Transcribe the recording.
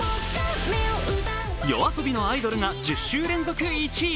ＹＯＡＳＯＢＩの「アイドル」が１０週連続１位。